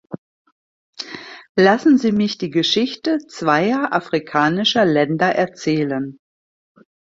Lassen Sie mich die Geschichte zweier afrikanischer Länder erzählen.